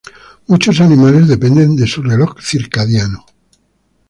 Muchos animales dependen de su reloj circadiano.